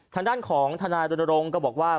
ทางด้านของธนาโดนโรงก็บอกว่า